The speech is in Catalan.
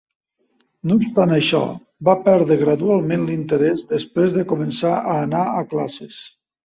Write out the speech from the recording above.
No obstant això, va perdre gradualment l'interès després de començar a anar a classes.